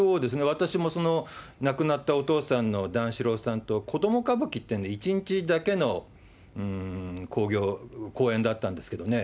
私もその亡くなったお父さんの段四郎さんとこども歌舞伎っていうの、１日だけの興行、公演だったんですけどね。